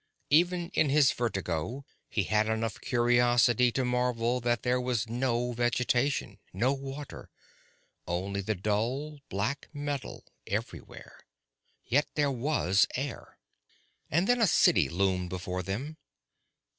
Even in his vertigo he had enough curiosity to marvel that there was no vegetation, no water, only the dull black metal everywhere. Yet there was air. And then a city loomed before them.